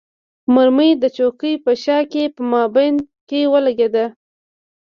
مرمۍ د چوکۍ په شا کې په مابین کې ولګېده.